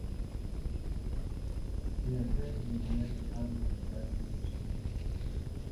They are currently in the Men's Conference West Division.